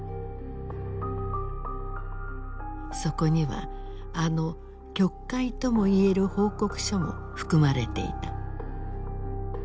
そこにはあの曲解ともいえる報告書も含まれていた。